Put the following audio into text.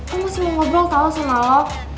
gue masih mau ngobrol tau sama lo